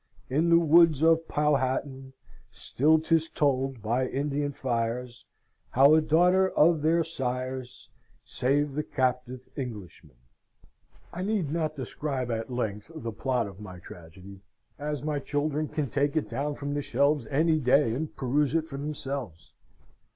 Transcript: In the woods of Powhattan, Still 'tis told, by Indian fires, How a daughter of their sires Saved the captive Englishman." I need not describe at length the plot of my tragedy, as my children can take it down from the shelves any day and peruse it for themselves.